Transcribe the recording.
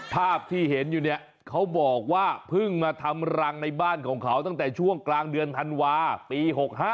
ภาพที่เห็นอยู่เนี่ยเขาบอกว่าเพิ่งมาทำรังในบ้านของเขาตั้งแต่ช่วงกลางเดือนธันวาปี๖๕